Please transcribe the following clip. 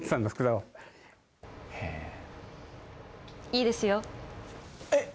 いいですよえっ！？